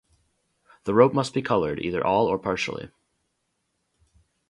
The rope must be coloured, either all or partially.